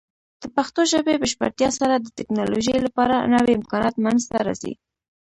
د پښتو ژبې بشپړتیا سره، د ټیکنالوجۍ لپاره نوې امکانات منځته راځي.